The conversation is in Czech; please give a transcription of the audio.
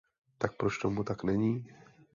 Tak proč tomu tak není?